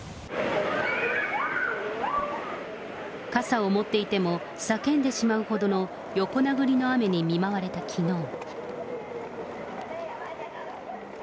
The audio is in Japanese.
傘を持っていても、叫んでしまうほどの横殴りの雨に見舞われたきのう。